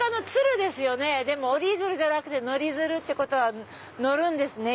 でも折り鶴じゃなくて乗り鶴ってことは乗るんですね。